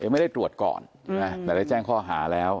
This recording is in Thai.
ไม่ได้ตรวจก่อนใช่ไหมแต่ได้แจ้งข้อหาแล้ว